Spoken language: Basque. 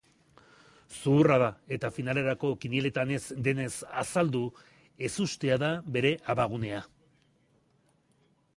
Zuhurra da eta finalerako kinieletan ez denez azaldu, ezustea da bere abagunea.